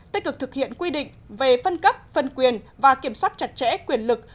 tích cực thực hiện quy định về phân cấp phân quyền và kiểm soát chặt chẽ quyền lực